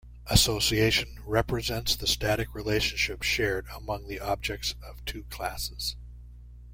Association represents the static relationship shared among the objects of two classes.